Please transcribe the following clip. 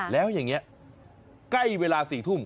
แล้วอย่างนี้ใกล้เวลา๔ทุ่ม